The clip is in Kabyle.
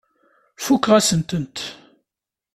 Fakeɣ-asent-ten.